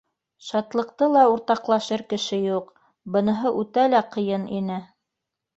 Шатлыҡты ла уртаҡлашыр кеше юҡ, быныһы үтә лә ҡыйын ине.